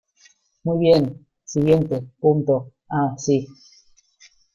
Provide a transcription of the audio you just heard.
Muy bien, siguiente punto. Ah , sí .